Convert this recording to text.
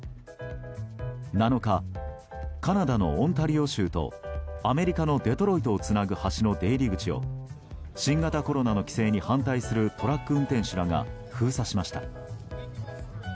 ７日、カナダのオンタリオ州とアメリカのデトロイトをつなぐ橋の出入り口を新型コロナの規制に反対するトラック運転手らが封鎖しました。